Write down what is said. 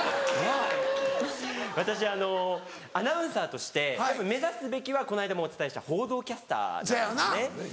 私あのアナウンサーとして目指すべきはこの間もお伝えした報道キャスターなんですね。